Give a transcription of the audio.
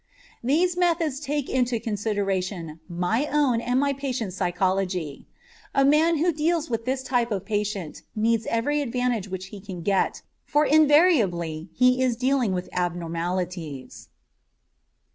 These methods take into consideration my own and my patient's psychology. A man who deals with this type of patient needs every advantage which he can get, for invariably he is dealing with abnormalities.